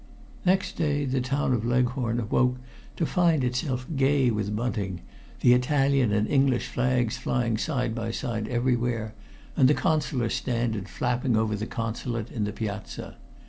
Next day the town of Leghorn awoke to find itself gay with bunting, the Italian and English flags flying side by side everywhere, and the Consular standard flapping over the Consulate in the piazza.